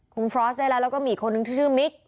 คุมฟรอสได้แล้วก็มีคนนึงชื่อมิก